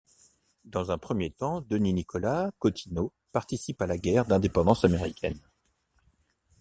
Dans un premier temps, Denis Nicolas Cottineau participe à la guerre d'indépendance américaine.